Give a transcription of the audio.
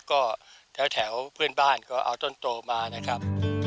ก็แถวเพื่อนบ้านก็เอาต้นโตมานะครับ